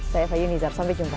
saya fayyul nizar sampai jumpa